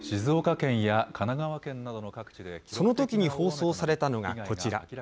そのときに放送されたのがこちら。